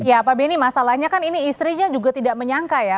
ya pak beni masalahnya kan ini istrinya juga tidak menyangka ya